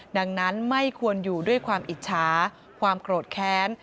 ดังนั้นไม่ควรอยู่ด้วยความอิจฉาความโกรธแค้น